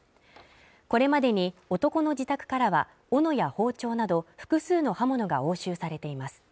これまでに男の自宅からは斧や包丁など複数の刃物が押収されています